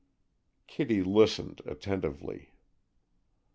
Kitty listened attentively.